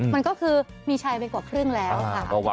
มันก็คือมีชัยไปกว่าครึ่งแล้วค่ะ